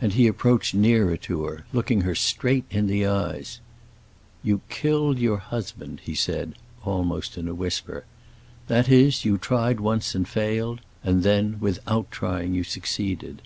And he approached nearer to her, looking her straight in the eyes. "You killed your husband," he said, almost in a whisper. "That is, you tried once and failed, and then, without trying, you succeeded."